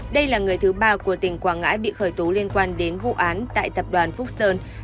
đây là người thứ ba của tỉnh quảng ngãi bị khởi tố liên quan đến vụ án tại tập đoàn phúc sơn